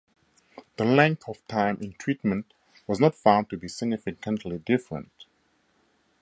The length of time in treatment was not found to be significantly different.